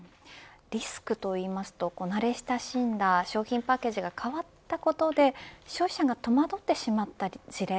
リスクと言いますと慣れ親しんだ商品パッケージが変わったことで消費者が戸惑ってしまった事例